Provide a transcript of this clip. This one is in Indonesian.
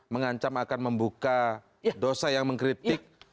mengancam akan membuka dosa yang mengkritik